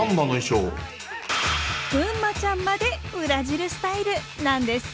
ぐんまちゃんまでブラジルスタイルなんです。